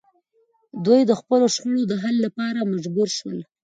دوی د خپلو شخړو د حل لپاره مجبور شول